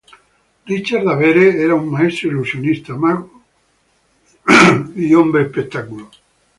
Richard De Vere era un maestro ilusionista, mago y showman.